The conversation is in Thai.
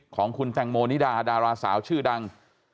ของคุณแตงโมนิดาดาราสาวชื่อดัง